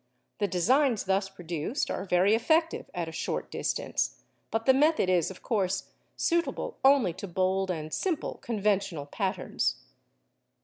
The designs thus produced are very effective at a short distance, but the method is, of course, suitable only to bold and simple conventional patterns.